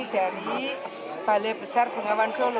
dari balai besar bengawan solo